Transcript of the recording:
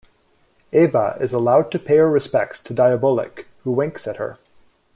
Eva is allowed to pay her respects to Diabolik, who winks at her.